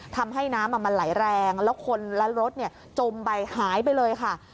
ทำให้น้ำมันไหลแรงแล้วคนและรถจมไปหายไปเลยค่ะ